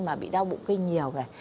mà bị đau bụng kinh nhiều này